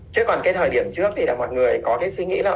chứ còn cái thời điểm trước thì là mọi người có cái suy nghĩ là